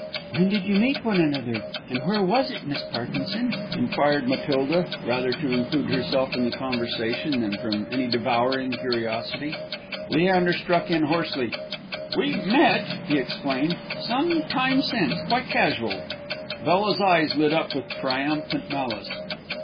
"When did you meet one another, and where was it, Miss Parkinson?" inquired Matilda, rather to include herself in the conversation than from any devouring curiosity. Leander struck in hoarsely. "We met," he explained, "some time since, quite casual." Bella's eyes lit up with triumphant malice.